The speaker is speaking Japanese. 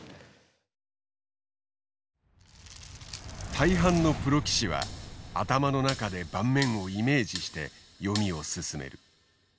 大半のプロ棋士は頭の中で盤面をイメージして読みを進める。